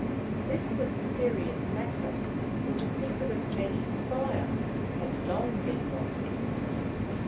This was a serious matter, for the secret of making fire had long been lost.